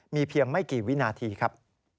มีเพียงไม่กี่วินาทีครับ